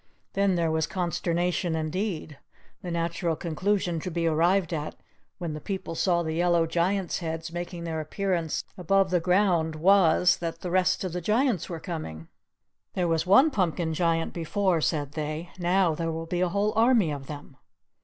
Then there was consternation indeed! The natural conclusion to be arrived at when the people saw the yellow Giant's heads making their appearance above the ground was, that the rest of the Giants were coming. "There was one Pumpkin Giant before," said they; "now there will be a whole army of them.